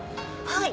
はい。